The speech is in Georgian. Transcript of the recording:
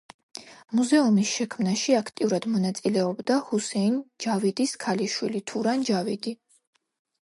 მუზეუმის შექმნაში აქტიურად მონაწილეობდა ჰუსეინ ჯავიდის ქალიშვილი, თურან ჯავიდი.